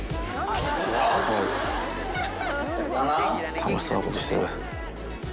楽しそうなことしてる。